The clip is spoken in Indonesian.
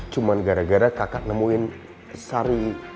cuma gara gara kakak nemuin sari